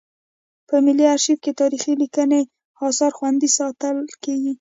په ملي ارشیف کې تاریخي لیکلي اثار خوندي ساتل کیږي.